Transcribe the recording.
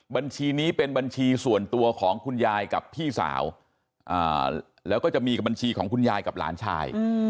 บัญชีนี้เป็นบัญชีส่วนตัวของคุณยายกับพี่สาวแล้วก็จะมีกับบัญชีของคุณยายกับหลานชาย